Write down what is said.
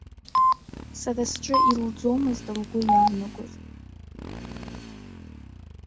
Сара сҿы илӡомызт лгәы иаанагоз.